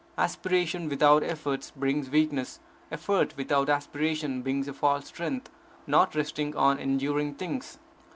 Aspiration without effort brings weakness; effort without aspiration brings a false strength, not resting on enduring things.